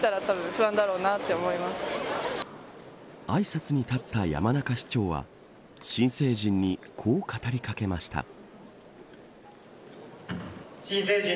あいさつに立った山中市長は新成人に、こう語りかけました。